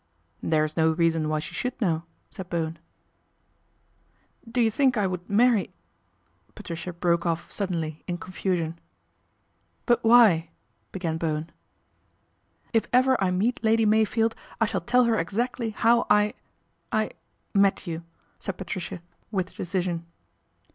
" There is no reason why she should know," said Bowen. "Do you think I would marry ?" Patricia broke off suddenly in confusion. " But why ?" began Bowen. " If ever I meet Lady Meyfield I shall tell her exactly how I I met you," said Patricia with decision.